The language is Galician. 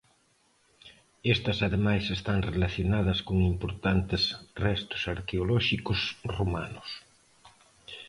Estas ademais están relacionadas con importantes restos arqueolóxicos romanos.